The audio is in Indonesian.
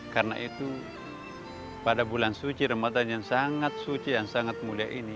karena itu pada bulan suci ramadhan yang sangat suci dan sangat mulia ini